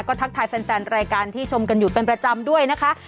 ก็ทักทายแฟนรายการที่ชมกันอยู่เป็นประจำด้วยนะคะ